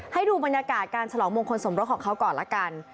ให้ดูบรรยากาศการฉลองมงคลสมรสของเขาก่อนละกัน